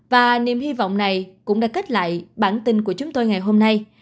và niềm hy vọng này cũng đã kết lại bản tin của chúng tôi ngày hôm nay